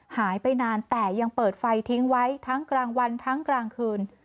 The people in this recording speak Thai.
หายไปนานแต่ยังเปิดไฟทิ้งไว้ทั้งกลางวันทั้งกลางคืน